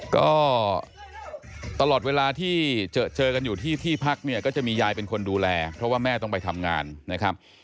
ก็ตลอดเวลาที่เจอกันอยู่ที่ที่พักเนี่ยก็จะมียายเป็นคนดูแลเพราะว่าแม่ต้องไปทำงานนะครับ